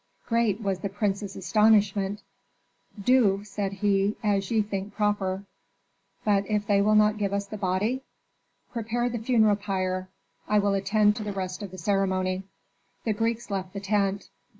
Great was the prince's astonishment. "Do," said he, "as ye think proper." "But if they will not give us the body?" "Prepare the funeral pile; I will attend to the rest of the ceremony." The Greeks left the tent.